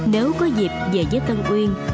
nếu có dịp về với tân uyên